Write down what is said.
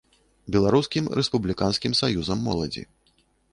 Беларускім рэспубліканскім саюзам моладзі.